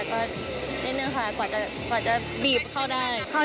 ก็นิดนึงค่ะกว่าจะบีบเข้าได้